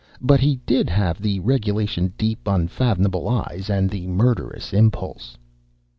But he did have the regulation deep, unfathomable eyes and the murderous impulse.